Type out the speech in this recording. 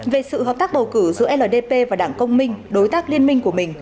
về sự hợp tác bầu cử giữa ldp và đảng công minh đối tác liên minh của mình